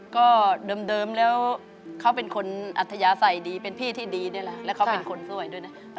ก็เดิมแล้วเขาเป็นคนอัธยาศัยดีเป็นพี่ที่ดีนี่แหละแล้วเขาเป็นคนสวยด้วยนะ